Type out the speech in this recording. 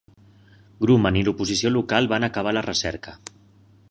Grumman i l'oposició local van acabar la recerca.